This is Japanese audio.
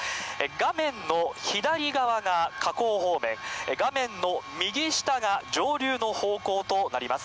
画面の左側が河口方面、画面の右下が上流の方向となります。